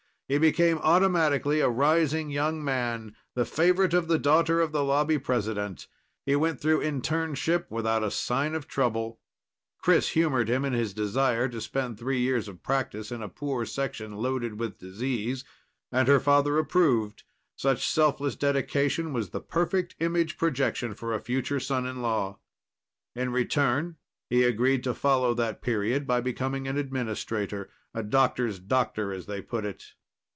He became automatically a rising young man, the favorite of the daughter of the Lobby president. He went through internship without a sign of trouble. Chris humored him in his desire to spend three years of practice in a poor section loaded with disease, and her father approved; such selfless dedication was the perfect image projection for a future son in law. In return, he agreed to follow that period by becoming an administrator. A doctor's doctor, as they put it.